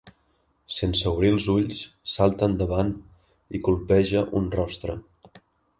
Sense obrir els ulls salta endavant i colpeja un rostre.